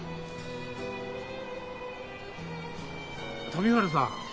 富治さん